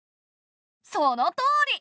そのとおり！